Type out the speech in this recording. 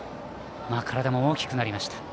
体も大きくなりました。